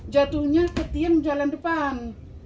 jatuhnya ke tiang jalan depan